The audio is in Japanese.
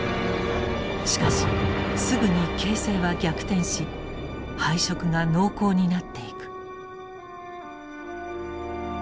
しかしすぐに形勢は逆転し敗色が濃厚になっていく。